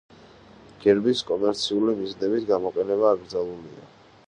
გერბის კომერციული მიზნებით გამოყენება აკრძალულია.